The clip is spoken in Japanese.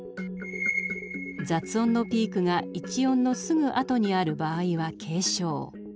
雑音のピークがⅠ音のすぐあとにある場合は軽症。